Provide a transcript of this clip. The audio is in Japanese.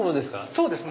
そうですね。